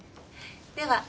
では。